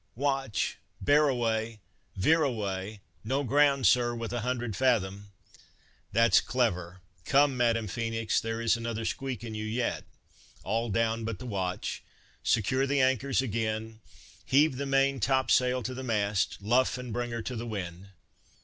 watch! bear away, veer away, no ground Sir, with a hundred fathom." "That 's clever, come, Madam Phoenix, there is another squeak in you yet all down but the watch; secure the anchors again; heave the main top sail to the mast; luff, and bring her to the wind!"